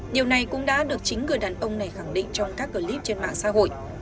điều này cũng đã được chính người đàn ông này khẳng định trong các clip trên mạng xã hội